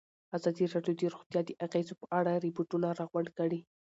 ازادي راډیو د روغتیا د اغېزو په اړه ریپوټونه راغونډ کړي.